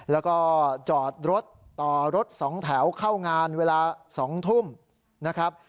แล้วก็จอดรถต่อรถสองแถวเข้างานเวลา๒ทุ่มนะครับ